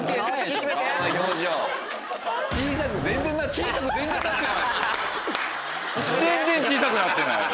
全然小さくなってない！